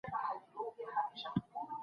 هغې د "خوب د طلاق" تخنیک کاروي.